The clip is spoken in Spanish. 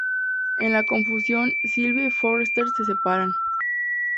En la confusión, Sylvia y Forrester se separan.